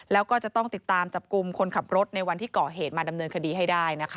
แล้วก็จะต้องติดตามจับกลุ่มคนขับรถในวันที่ก่อเหตุมาดำเนินคดีให้ได้นะคะ